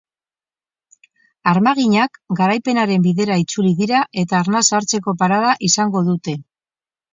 Armaginak garaipenaren bidera itzuli dira eta arnasa hartzeko parada izango dute.